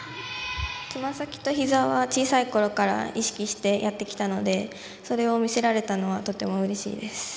つま先とひざは小さいころから意識してやってきたのでそれを見せられたのはとてもうれしいです。